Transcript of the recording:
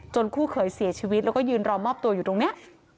คู่เขยเสียชีวิตแล้วก็ยืนรอมอบตัวอยู่ตรงนี้